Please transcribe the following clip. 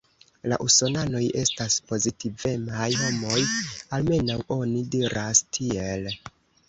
La Usonanoj estas pozitivemaj homoj, almenaŭ oni diras tiel.